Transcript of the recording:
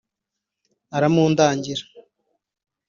Aramundangira